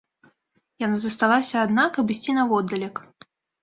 Яна засталася адна, каб ісці наводдалек.